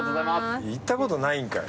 行ったことないんかい。